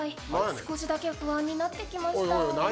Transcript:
少しだけ不安になってきました。